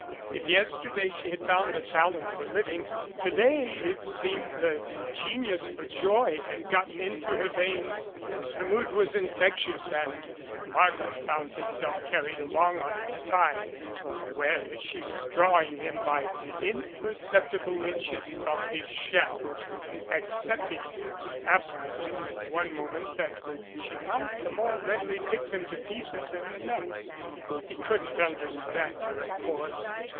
If yester day she had found a talent for living, to day it seemed the genius for joy had gotten into her veins. Her mood was infectious, and Markham found himself carried along on its tide, aware that she was drawing him by impercepti ble inches from his shell, accepting his aphorisms in one moment that she might the more readily pick them to pieces in the next. He couldn't understand her, of course.